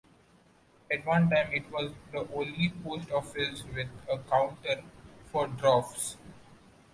At one time, it was the only post office with a counter for dwarfs.